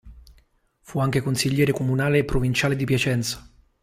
Fu anche consigliere comunale e provinciale di Piacenza.